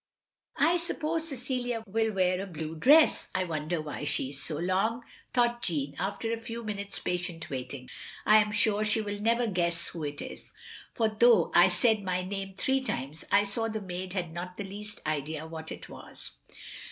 "I suppose Cecilia will wear a blue dress. I wonder why she is so long," thought Jeanne, after a few minutes' patient waiting. " I am sure she will never guess who it is; for though I said my name three times, I saw the maid had not the least idea what it was.